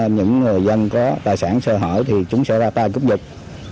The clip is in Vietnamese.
những người dân có tài sản sơ hỏi thì chúng sẽ ra tay cướp dịch